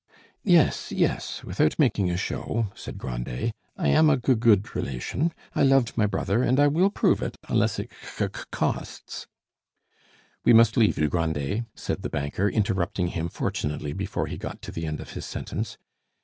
"Yes, yes; without making a show," said Grandet, "I am a g good relation. I loved my brother, and I will prove it, unless it c c costs " "We must leave you, Grandet," said the banker, interrupting him fortunately before he got to the end of his sentence.